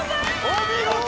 お見事！